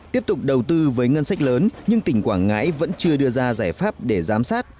tiếp tục đầu tư với ngân sách lớn nhưng tỉnh quảng ngãi vẫn chưa đưa ra giải pháp để giám sát